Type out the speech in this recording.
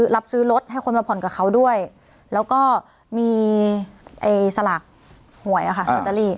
รับซื้อรถให้คนมาผ่อนกับเขาด้วยแล้วก็มีสลากหวยอะค่ะลอตเตอรี่